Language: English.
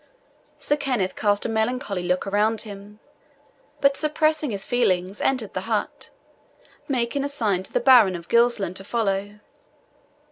Sir Kenneth cast a melancholy look around him, but suppressing his feelings, entered the hut, making a sign to the Baron of Gilsland to follow.